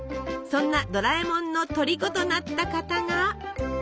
そんなドラえもんのとりことなった方が。